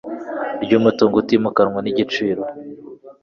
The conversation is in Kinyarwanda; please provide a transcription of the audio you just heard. ry umutungo utimukanwa n igiciro